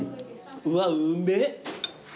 うわうめえ。